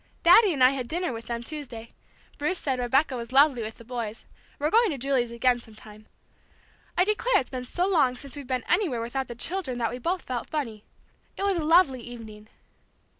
"Daddy and I had dinner with them Tuesday. Bruce said Rebecca was lovely with the boys, we're going to Julie's again sometime. I declare it's so long since we've been anywhere without the children that we both felt funny. It was a lovely evening."